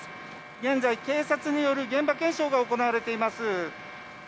現在、警察による現場検証が行われています。